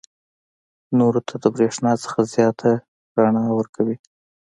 نورو ته د برېښنا څخه زیاته رڼا ورکوي.